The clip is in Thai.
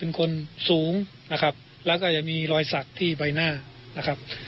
เป็นคนสูงนะครับแล้วก็จะมีรอยสักที่ใบหน้านะครับ